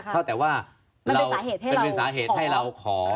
เท่าแต่ว่ามันเป็นสาเหตุให้เราขอ